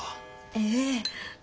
ええ。